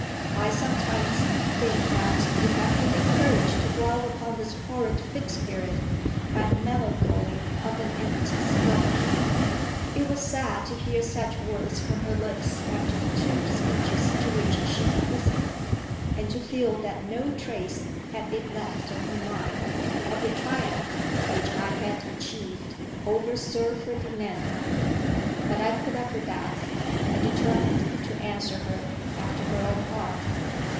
I sometimes think that you have been encouraged to dwell upon this horrid Fixed Period by the melancholy of an empty stomach." It was sad to hear such words from her lips after the two speeches to which she had listened, and to feel that no trace had been left on her mind of the triumph which I had achieved over Sir Ferdinando; but I put up with that, and determined to answer her after her own heart.